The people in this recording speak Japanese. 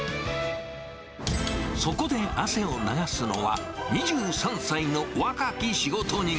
そこで汗を流すのは、２３歳の若き仕事人。